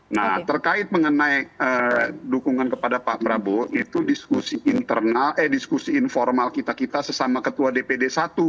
nah terkait mengenai dukungan kepada pak prabowo itu diskusi internal eh diskusi informal kita kita sesama ketua dpd satu